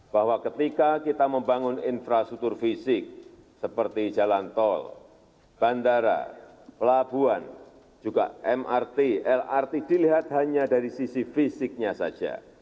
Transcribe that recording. bahwa ketika kita membangun infrastruktur fisik seperti jalan tol bandara pelabuhan juga mrt lrt dilihat hanya dari sisi fisiknya saja